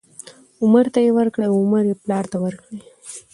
عمر ته یې ورکړې او عمر یې پلار ته ورکړې،